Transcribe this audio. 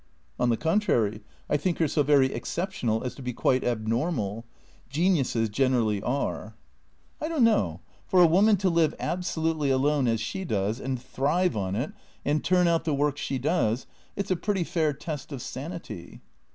" On the contrary, I think her so very exceptional as to be quite abnormal. Geniuses generally are." " I don't know. For a Avoman to live absolutely alone, as she does, and thrive on it, and turn out the work she does — It 's a pretty fair test of sanity."